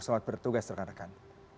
selamat bertugas rekan rekan